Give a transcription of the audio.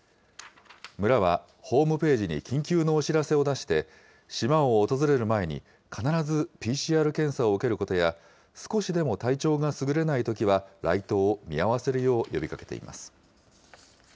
村はホームページに緊急のお知らせを出して、島を訪れる前に、必ずＰＣＲ検査を受けることや、少しでも体調がすぐれないときは、来島を見合わせるよう呼びかけています。